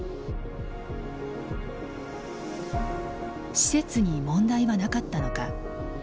施設に問題はなかったのか。